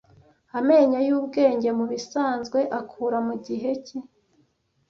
Amenyo y'ubwenge mubisanzwe akura mugihe ki